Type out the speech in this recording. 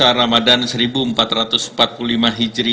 masih belum makan achn sebagai api sedih di sini